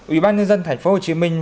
ủy ban nhân dân thành phố hồ chí minh